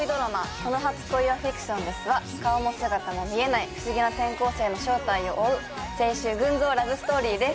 「この初恋はフィクションです」は顔も姿も見えない不思議な転校生の正体を追う青春群像ラブストーリーです